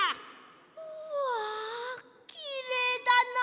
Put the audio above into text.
うわきれいだなあ！